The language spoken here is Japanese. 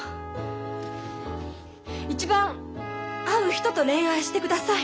一番合う人と恋愛してください。